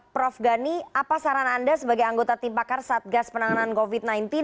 prof gani apa saran anda sebagai anggota tim pakar satgas penanganan covid sembilan belas